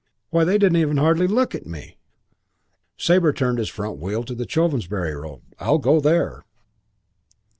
Why, they didn't hardly look at me." Sabre turned his front wheel to the Chovensbury road. "I'll go there."